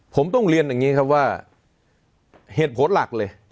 ผมต้องเรียนอย่างนี้ครับว่าเหตุผลหลักเลย